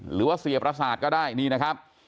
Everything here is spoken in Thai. หรือว่าเสียประสาทก็ได้นี่นะครับ